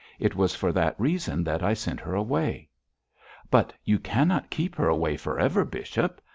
It was for that reason that I sent her away!' 'But you cannot keep her away for ever, bishop!